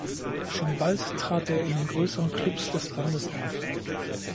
Schon bald trat er in den größeren Clubs des Landes auf.